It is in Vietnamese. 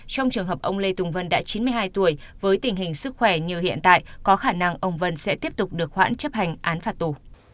trong trường hợp ông lê tùng vân đã chín mươi hai tuổi với tình hình sức khỏe như hiện tại có khả năng ông vân sẽ tiếp tục được hoãn chấp hành án phạt tù